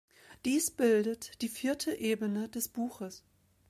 Dies bildet die vierte Ebene des Buches.